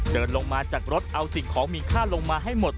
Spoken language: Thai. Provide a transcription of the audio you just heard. เดินลงมาจากรถเอาสิ่งของมีค่าลงมาให้หมด